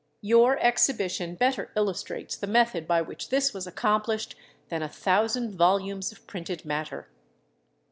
Your exhibition better illustrates the method by which this was accomplished than a thousand volumes of printed matter.